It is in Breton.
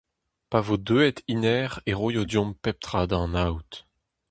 Pa vo deuet hennezh e roio deomp pep tra da anaout.